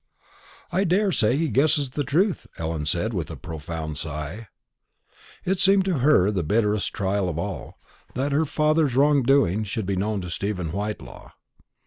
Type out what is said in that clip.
"I daresay he guesses the truth," Ellen said, with a profound sigh. It seemed to her the bitterest trial of all, that her father's wrong doing should be known to Stephen Whitelaw.